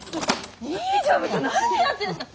新島部長何やってんですか！